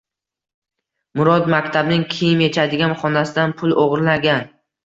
Murod maktabning kiyim yechadigan xonasidan pul o‘g‘irlagan.